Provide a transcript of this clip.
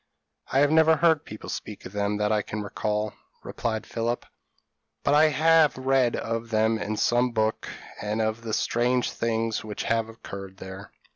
p> "I have never heard people speak of them, that I can recollect," replied Philip; "but I have read of them in some book, and of the strange things which have occurred there."